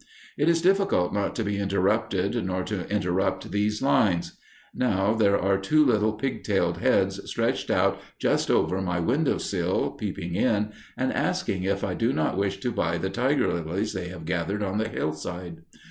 It is difficult not to be interrupted nor to interrupt these lines. Now there are two little pigtailed heads stretched up just over my window sill, peeping in and asking if I do not wish to buy the tiger lilies they have gathered on the hillside.